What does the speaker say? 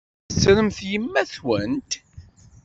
Tettremt yemma-twent?